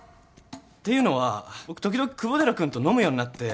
っていうのは僕時々久保寺君と飲むようになって。